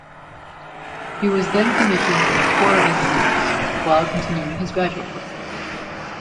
He was then commissioned in the Corps of Engineers, while continuing his graduate work.